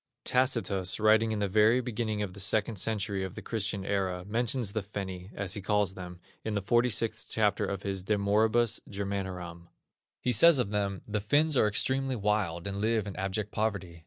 Tacitus, writing in the very beginning of the second century of the Christian era, mentions the Fenni, as he calls them, in the 46th chapter of his De Moribus Germanoram. He says of them: "The Finns are extremely wild, and live in abject poverty.